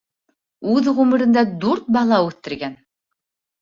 Үҙ ғүмерендә дүрт бала үҫтергән.